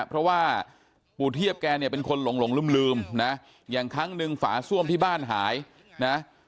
เพราะว่าปู่เทียบแกเนี่ยเป็นคนหลงลืมนะอย่างครั้งหนึ่งฝาซ่วมที่บ้านหายนะ